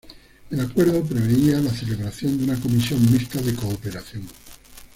El acuerdo preveía la celebración de una Comisión Mixta de Cooperación.